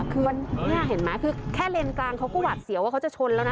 คือนี่เห็นไหมคือแค่เลนกลางเขาก็หวัดเสียวว่าเขาจะชนแล้วนะ